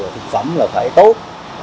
thực phẩm là phải tốt